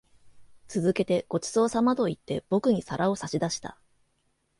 続けて、ご馳走様と言って、僕に皿を差し出した。